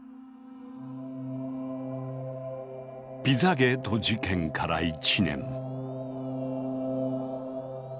ピザゲート事件から１年。